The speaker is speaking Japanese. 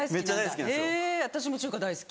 へぇ私も中華大好き。